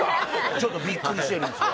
ちょっとビックリしてるんですよ